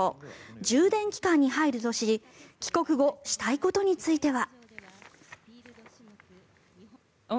充電期間に入るとし帰国後したいことについては。